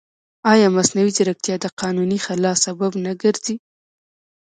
ایا مصنوعي ځیرکتیا د قانوني خلا سبب نه ګرځي؟